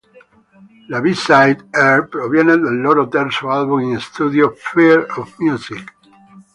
La B-side "Air" proviene dal loro terzo album in studio "Fear of Music".